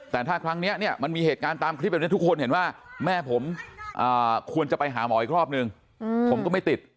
แต่ถ้าครั้งนี้เนี่ยมันมีเหตุการณ์ตามคลิปแบบนี้ทุกคนเห็นว่าแม่ผมควรจะไปหาหมออีกรอบนึงผมก็ไม่ติด